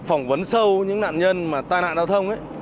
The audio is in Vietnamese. phỏng vấn sâu những nạn nhân tai nạn đau thông